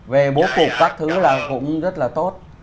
về bố cục các thứ là cũng rất là tốt